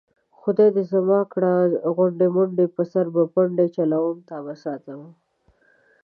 خدای دې زما کړه غونډې منډې په سر به پنډې چلوم تابه ساتمه